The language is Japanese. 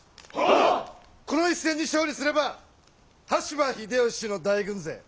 この一戦に勝利すれば羽柴秀吉の大軍勢